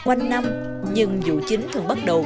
quanh năm nhưng vụ chính thường bắt đầu